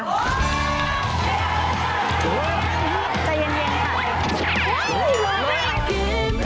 โปรดติดตามตอนต่อไป